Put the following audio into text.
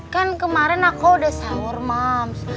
kan kemarin aku udah sahur mums